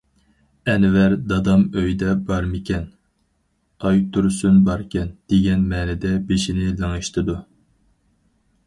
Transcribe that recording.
ئەنۋەر:دادام ئۆيدە بارمىكەن؟ ئايتۇرسۇن «باركەن» دېگەن مەنىدە بېشىنى لىڭشىتىدۇ.